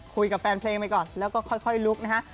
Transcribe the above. คุยกับแฟนเพลงไปก่อนแล้วก็ค่อยลุกนะฮะ